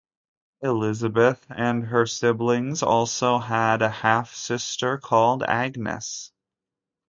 Elizabeth and her siblings also had a half-sister called Agnes.